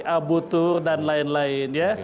albutur dan lain lain